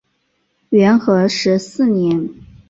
元和十四年。